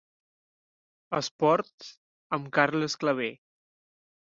Esports amb Carles Claver.